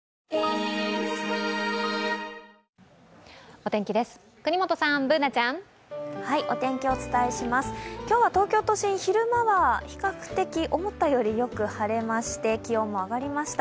お天気です、國本さん、Ｂｏｏｎａちゃん。今日は東京都心、昼間は比較的思ったよりよく晴れまして気温も上がりました。